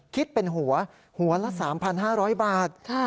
คิดเป็นหัวหัวละ๓๕๐๐บาท